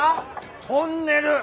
トンネル。